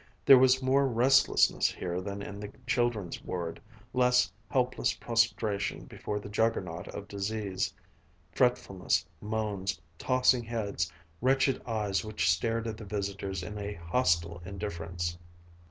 There was more restlessness here than in the children's ward, less helpless prostration before the Juggernaut of disease ... fretfulness, moans, tossing heads, wretched eyes which stared at the visitors in a hostile indifference.